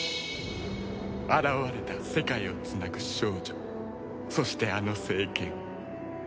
現れた世界をつなぐ少女そしてあの聖剣。